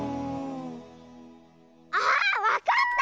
あわかった！